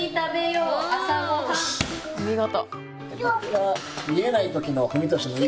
お見事。